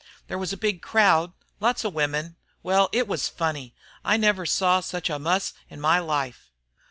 There was a big crowd lots of women. Well, it was funny. I never saw such a muss in my life.